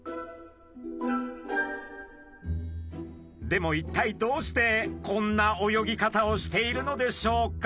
でも一体どうしてこんな泳ぎ方をしているのでしょうか？